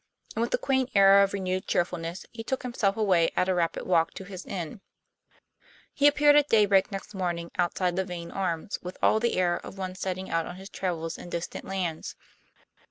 And with a quaint air of renewed cheerfulness he took himself away at a rapid walk to his inn. He appeared at daybreak next morning outside the Vane Arms with all the air of one setting out on his travels in distant lands.